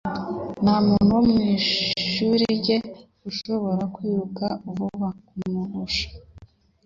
Nta muntu wo mu ishuri rye ushobora kwiruka vuba kumurusha.